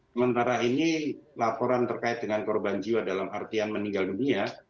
sementara ini laporan terkait dengan korban jiwa dalam artian meninggal dunia